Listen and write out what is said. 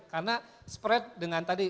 karena spread dengan tadi